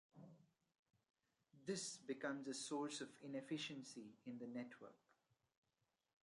This becomes a source of inefficiency in the network.